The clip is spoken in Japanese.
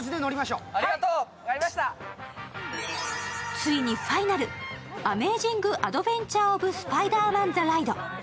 ついにファイナル、アメージング・アドベンチャー・オブ・スパイダーマン・ザ・ライド。